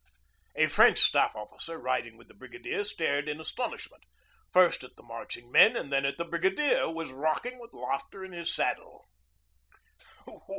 "' A French staff officer riding with the brigadier stared in astonishment, first at the marching men, and then at the brigadier, who was rocking with laughter in his saddle.